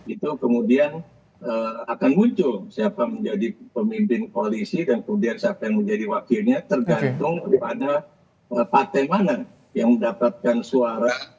itu kemudian akan muncul siapa menjadi pemimpin koalisi dan kemudian siapa yang menjadi wakilnya tergantung kepada partai mana yang mendapatkan suara